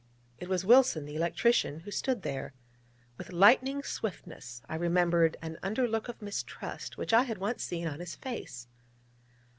It was Wilson, the electrician, who stood there. With lightning swiftness I remembered an under look of mistrust which I had once seen on his face.